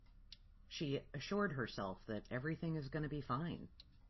She assured herself that everything is gonna be fine.